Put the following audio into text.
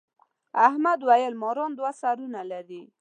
احمد وويل: ماران دوه سرونه لري.